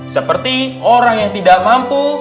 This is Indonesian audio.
seperti orang yang tidak mampu